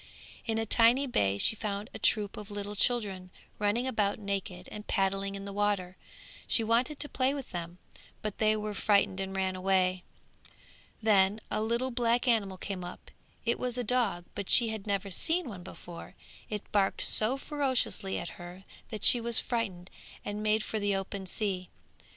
In a tiny bay she found a troop of little children running about naked and paddling in the water; she wanted to play with them, but they were frightened and ran away. Then a little black animal came up; it was a dog, but she had never seen one before; it barked so furiously at her that she was frightened and made for the open sea.